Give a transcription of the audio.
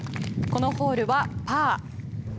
このホールはパー。